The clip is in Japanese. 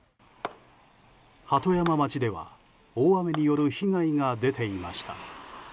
鳩山町では大雨による被害が出ていました。